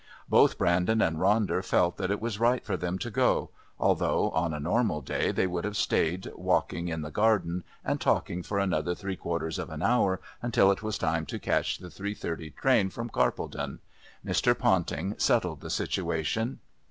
Both Brandon and Ronder felt that it was right for them to go, although on a normal day they would have stayed walking in the garden and talking for another three quarters of an hour until it was time to catch the three thirty train from Carpledon. Mr. Ponting settled the situation.